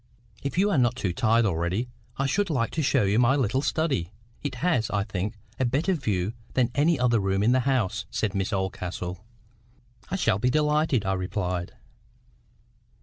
"If you are not too tired already, I should like to show you my little study. It has, I think, a better view than any other room in the house," said Miss Oldcastle. "I shall be delighted," I replied.